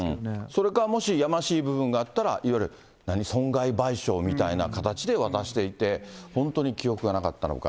それか、もしやましい部分があったら、いわゆる損害賠償みたいな形で渡していて、本当に記憶がなかったのか。